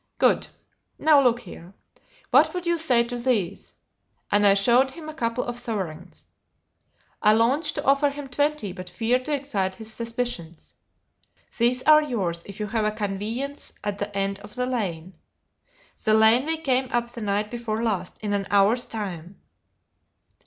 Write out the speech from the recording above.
"Good! Now look here. What would you say to these?" And I showed him a couple of sovereigns: I longed to offer him twenty, but feared to excite his suspicions. "These are yours if you have a conveyance at the end of the lane the lane we came up the night before last in an hour's time."